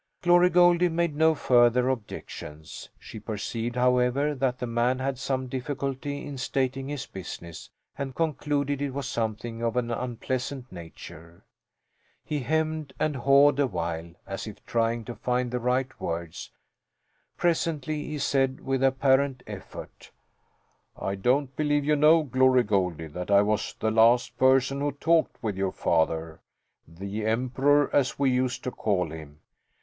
Glory Goldie made no further objections. She perceived, however, that the man had some difficulty in stating his business and concluded it was something of an unpleasant nature. He hemmed and hawed a while, as if trying to find the right words; presently he said, with apparent effort: "I don't believe you know, Glory Goldie, that I was the last person who talked with your father the Emperor, as we used to call him."